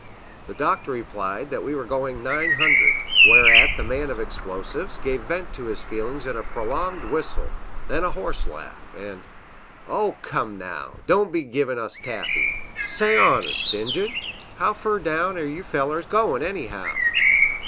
The Doctor replied that we were going nine hundred; whereat the man of explosives gave vent to his feelings in a prolonged whistle, then a horse laugh, and "Oh come, now! Don' be givin' us taffy! Say, hones' Injun, how fur down air yew fellers goin', anyhow?"